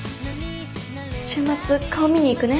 週末顔見に行くね。